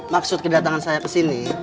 maksud kedatangan saya ke sini